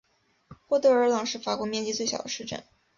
沃德尔朗是法国面积最小的市镇。